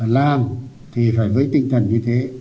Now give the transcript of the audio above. làm thì phải với tinh thần như thế